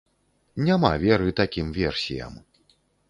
Няма веры такім версіям.